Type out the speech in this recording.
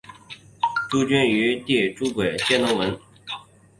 朱筠与弟朱圭皆能文。